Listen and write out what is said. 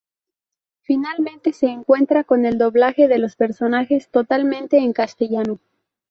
Finalmente se encuentra con el doblaje de los personajes, totalmente en castellano.